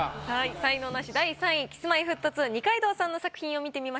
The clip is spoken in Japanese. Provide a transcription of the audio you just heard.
才能ナシ第３位Ｋｉｓ−Ｍｙ−Ｆｔ２二階堂さんの作品を見てみましょう。